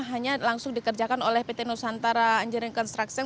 hanya langsung dikerjakan oleh pt nusantara engine construction